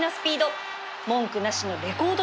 文句なしのレコード勝利